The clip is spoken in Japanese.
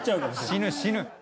死ぬ死ぬ。